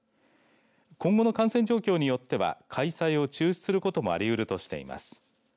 今後の感染状況によっては開催を中止することもありうるとしています。